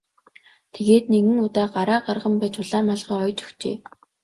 Тэгээд нэгэн удаа гараа гарган байж улаан малгай оёж өгчээ.